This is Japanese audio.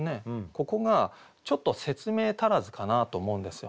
ここがちょっと説明足らずかなと思うんですよ。